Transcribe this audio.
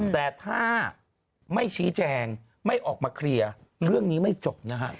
แต่ถ้าไม่ชี้แจงไม่ออกมาเคลียร์เรื่องนี้ไม่จบนะฮะ